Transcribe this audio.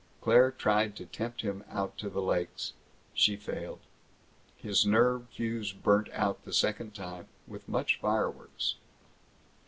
Claire tried to tempt him out to the lakes. She failed. His nerve fuse burnt out the second time, with much fireworks.